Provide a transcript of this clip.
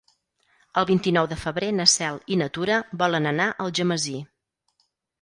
El vint-i-nou de febrer na Cel i na Tura volen anar a Algemesí.